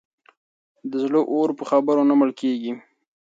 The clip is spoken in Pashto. د زړه اور په خبرو نه مړ کېږي.